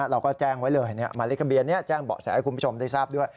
เราก็แจ้งไว้เลยหมายเลขทะเบียนนี้แจ้งเบาะแสให้คุณผู้ชมได้ทราบด้วย